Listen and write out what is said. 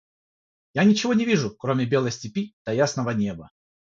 – Я ничего не вижу, кроме белой степи да ясного неба.